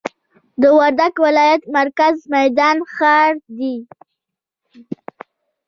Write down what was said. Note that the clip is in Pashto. د وردګ ولایت مرکز میدان ښار دي.